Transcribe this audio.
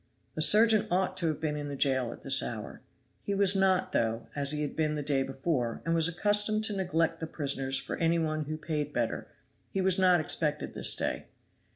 The surgeon ought to have been in the jail at this hour. He was not, though, and as he had been the day before, and was accustomed to neglect the prisoners for any one who paid better, he was not expected this day.